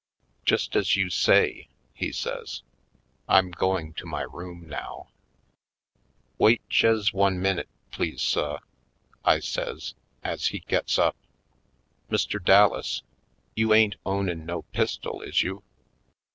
"Just as you say," he says. "I'm going to my room now." Vet to Zym 199 "Wait jes' one minute, please suh," I says, as he gets up. "Mr. Dallas, you ain't ownin' no pistol, is you?"